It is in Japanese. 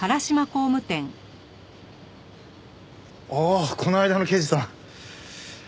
ああこの間の刑事さん。